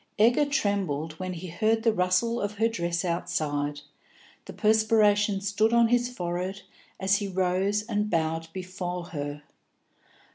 Egger trembled when he heard the rustle of her dress outside, the perspiration stood on his forehead as he rose and bowed before her.